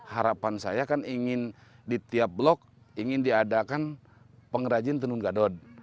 harapan saya kan ingin di tiap blok ingin diadakan pengrajin tenun gadot